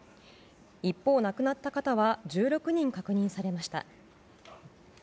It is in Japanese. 一方、亡くなった方は１６人確認されました。